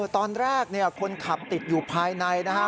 ตอนแรกคนขับติดอยู่ภายในนะฮะ